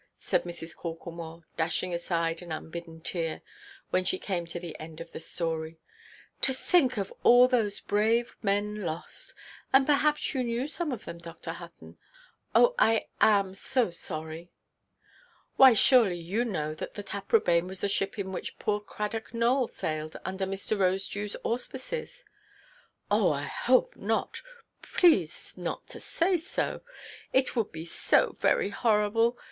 cried Mrs. Corklemore, dashing aside an unbidden tear, when she came to the end of the story; "to think of all those brave men lost! And perhaps you knew some of them, Dr. Hutton? Oh, I am so sorry!" "Why, surely you know that the Taprobane was the ship in which poor Cradock Nowell sailed, under Mr. Rosedewʼs auspices." "Oh, I hope not. Please not to say so. It would be so very horrible!